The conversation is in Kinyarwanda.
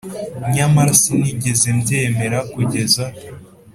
Nyamara sinigeze mbyemera s kugeza